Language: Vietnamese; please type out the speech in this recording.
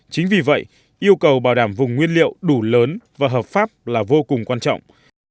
chính vì vậy yêu cầu bảo đảm vùng nguyên liệu đủ lớn và hợp pháp là vô cùng quan trọng